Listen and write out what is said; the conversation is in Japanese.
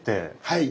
はい。